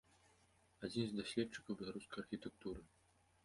Адзін з даследчыкаў беларускай архітэктуры.